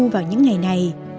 vào những ngày này